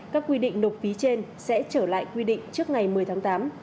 các quy định nộp phí trên sẽ trở lại quy định trước ngày một mươi tháng tám